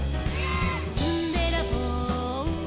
「ずんべらぼう」「」